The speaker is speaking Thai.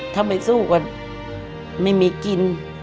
ถ้าไม่สู้ก็ไม่มีกิน